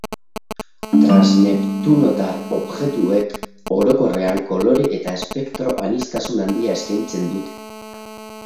Transneptunotar objektuek orokorrean kolore eta espektro aniztasun handia eskaintzen dute.